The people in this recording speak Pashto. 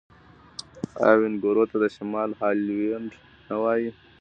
آیا وینکوور ته د شمال هالیوډ نه وايي؟